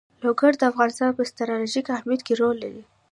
لوگر د افغانستان په ستراتیژیک اهمیت کې رول لري.